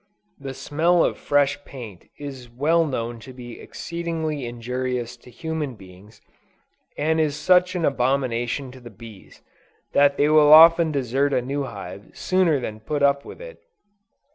The smell of fresh paint is well known to be exceedingly injurious to human beings, and is such an abomination to the bees, that they will often desert a new hive sooner than put up with it.